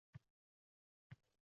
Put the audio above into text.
O‘z ismiga monand qahramon edi